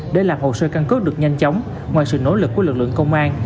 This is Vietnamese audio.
để làm hồ sơ căn cứ được nhanh chóng ngoài sự nỗ lực của lực lượng công an